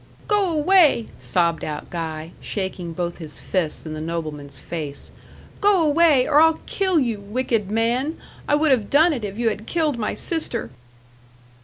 "Go away," sobbed out Guy, shaking both his fists in the nobleman's face. "Go away or I'll kill you wicked man! I would have done it if you had killed my sister."